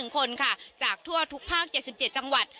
คนค่ะจากทั่วทุกภาค๗๗จังหวัด